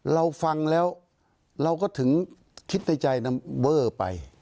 เราฟังแล้วเราก็ถึงคิดในใจนะเวอร์ไป